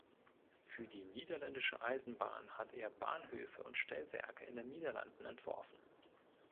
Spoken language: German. Für die Niederländische Eisenbahn hat er Bahnhöfe und Stellwerke in den Niederlanden entworfen.